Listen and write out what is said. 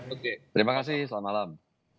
oke terima kasih selamat malam